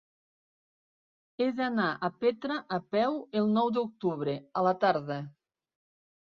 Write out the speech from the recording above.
He d'anar a Petra a peu el nou d'octubre a la tarda.